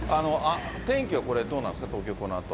天気はこれ、どうなんですか、東京、このあと。